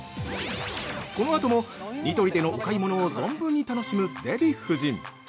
このあともニトリでのお買い物を存分に楽しむデヴィ夫人。